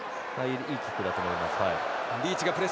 いいキックだったと思います。